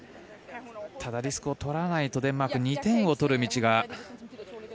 ただ、リスクを取らないとデンマーク２点を取る道が。